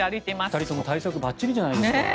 ２人とも対策ばっちりじゃないですか。